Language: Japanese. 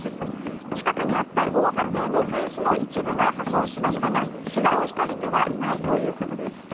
近くにあった防波堤のフェンスの一部が破損しましたが、けがをした人はいないということです。